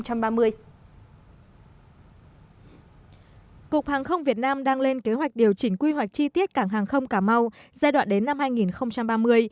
cục hàng không việt nam đang lên kế hoạch điều chỉnh quy hoạch chi tiết cảng hàng không cà mau giai đoạn đến năm hai nghìn ba mươi